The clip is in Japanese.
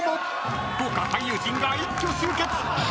豪華俳優陣が一挙集結。